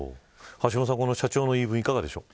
橋下さん、この社長の言い分、いかがですか。